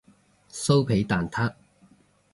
酥皮蛋撻